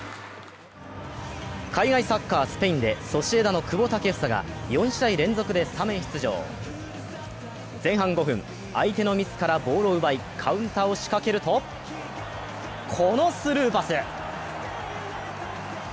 海外サッカー、スペインでソシエダの久保建英が４試合連続でスタメン出場。前半５分、相手のミスからボールを奪いカウンターを仕掛けると、このスルーパス。